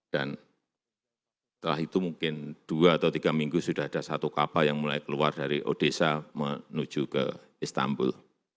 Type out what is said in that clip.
setelah itu mungkin dua atau tiga minggu sudah ada satu kapal yang mulai keluar dari odesa menuju ke istanbul